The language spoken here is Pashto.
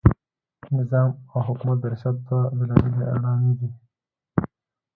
نظام او حکومت د ریاست دوه بېلابېلې اډانې دي.